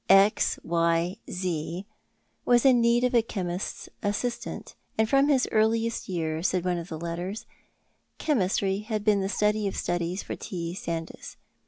"X Y Z" was in need of a chemist's assistant, and from his earliest years, said one of the letters, chemistry had been the study of studies for T. Sandys.